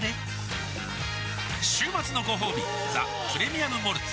週末のごほうび「ザ・プレミアム・モルツ」